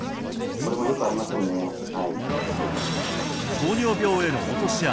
糖尿病への落とし穴